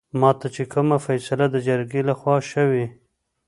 ماته چې کومه فيصله دجرګې لخوا شوې